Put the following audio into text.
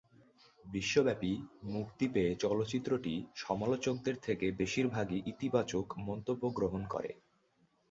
বিশ্বব্যাপী মুক্তি পেয়ে চলচ্চিত্রটি সমালোচকদের থেকে বেশিরভাগই ইতিবাচক মন্তব্য গ্রহণ করে।